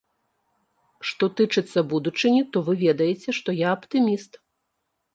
Што тычыцца будучыні, то вы ведаеце, што я аптыміст.